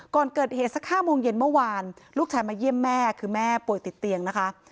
ก่อนเกิดเหตุสัก๕โมงเย็นเมื่อวานลูกชายมาเยี่ยมแม่คือแม่ป่วยติดเตียงนะคะ